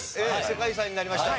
世界遺産になりました？